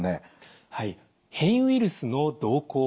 変異ウイルスの動向